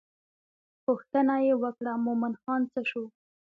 پوښتنه یې وکړه مومن خان څه شو.